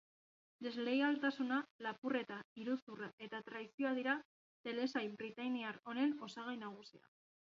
Desleialtasuna, lapurreta, iruzurra eta traizioa dira telesail britainiar honen osagai nagusiak.